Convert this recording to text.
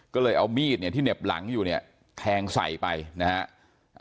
ก็เลยเอามีดเนี่ยที่เหน็บหลังอยู่เนี่ยแทงใส่ไปนะฮะ